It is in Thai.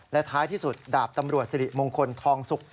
และท้ายที่สุดดาบตำรวจสิริมงคลทองสุก